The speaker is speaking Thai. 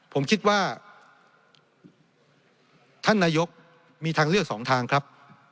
ผมคิดว่าท่านนายกมีทางเลือกสองทางครับ